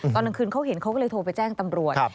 ตอนกลางคืนเขาเห็นเขาก็เลยโทรไปแจ้งตำรวจ